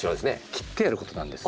切ってやることなんです。